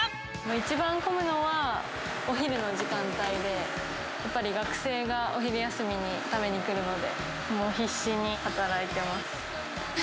一番混むのはお昼の時間帯で、やっぱり学生がお昼休みに食べに来るので必死に働いてます。